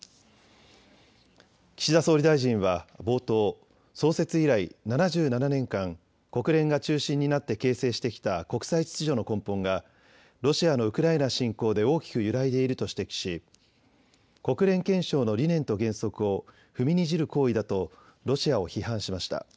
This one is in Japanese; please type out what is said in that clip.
岸田総理大臣は冒頭、創設以来７７年間、国連が中心になって形成してきた国際秩序の根本がロシアのウクライナ侵攻で大きく揺らいでいると指摘し、国連憲章の理念と原則を踏みにじる行為だとロシアを批判しました。